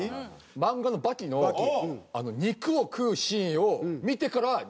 漫画の『バキ』の肉を食うシーンを見てから肉を食う。